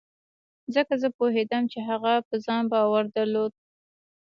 ځکه زه پوهېدم چې هغه په ځان باور درلود.